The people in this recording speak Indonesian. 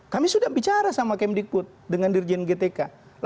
kami sudah bicara sama kemdikbud dengan dirjen gtk